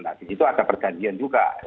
nah di situ ada perjanjian juga